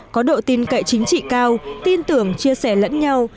có độ tin cậy chính trị cao tin tưởng chia sẻ lẫn nhau